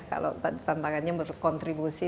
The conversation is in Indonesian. kalau tampakannya berkontribusi